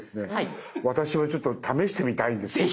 私もちょっと試してみたいんですけど。